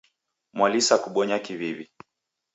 Mwalisa kubonya kiw'iw'i.